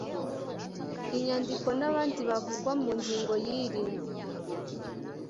inyandiko n abandi bavugwa mu ngingo y iri